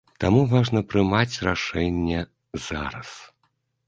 Таму важна прымаць рашэнне зараз!